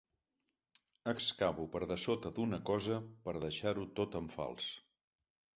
Excavo per dessota d'una cosa per deixar-ho tot en fals.